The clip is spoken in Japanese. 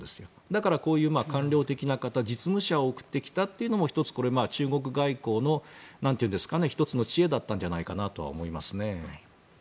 だからこういう官僚的な実務者を送ってきたというのも中国外交の１つの知恵だったんじゃないかと思いますね。